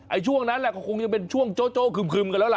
ไอ้ช่วงนั้นแหละก็คงเป็นช่วงโจโจคืมกันแล้วล่ะ